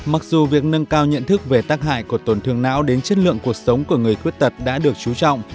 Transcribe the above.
mặc dù việc nâng cao nhận thức về tác hại của tổn thương não đến chất lượng cuộc sống của người khuyết tật đã được chú trọng